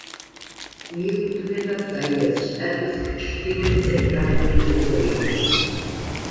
მიეკუთვნება ბაიას შტატის ჩრდილო-ცენტრალური მეზორეგიონს.